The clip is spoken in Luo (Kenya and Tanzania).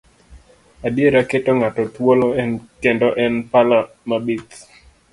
Adiera keto ng'ato thuolo, kendo en pala mabith.